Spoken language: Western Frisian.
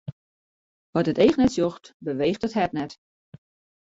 Wat it each net sjocht, beweecht it hert net.